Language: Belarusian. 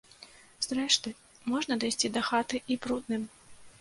Зрэшты, можна дайсці да хаты і брудным.